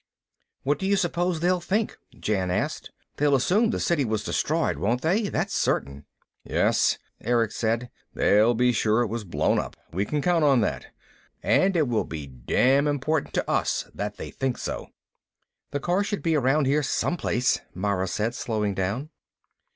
"What do you suppose they'll think?" Jan asked. "They'll assume the City was destroyed, won't they? That's certain." "Yes," Erick said. "They'll be sure it was blown up. We can count on that. And it will be damn important to us that they think so!" "The car should be around here, someplace," Mara said, slowing down.